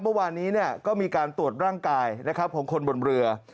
เมื่อวานนี้เนี่ยก็มีการตรวจร่างกายนะครับของคนบนเรือ